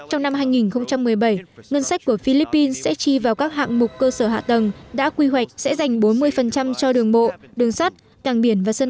trong năm hai nghìn một mươi bảy ngân sách của philippines sẽ chi vào các hạng mục cơ sở hạ tầng đã quy hoạch sẽ dành bốn mươi cho đường bộ đường sắt cảng biển và sân